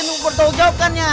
tunggu bertolong jawabkannya